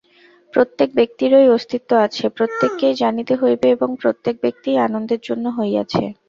প্রত্যেক ব্যক্তিরই অস্তিত্ব আছে, প্রত্যেককেই জানিতে হইবে এবং প্রত্যেক ব্যক্তিই আনন্দের জন্য হইয়াছে।